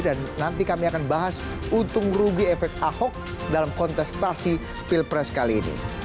dan nanti kami akan bahas untung rugi efek ahok dalam kontestasi pilpres kali ini